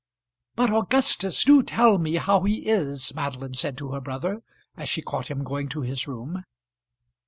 "But, Augustus, do tell me how he is," Madeline said to her brother, as she caught him going to his room.